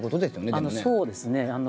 そうですね。